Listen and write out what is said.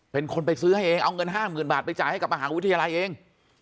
เป็นคนไปซื้อให้เองเอาเงิน๕๐๐๐บาทไปจ่ายให้กับมหาวิทยาลัยเอง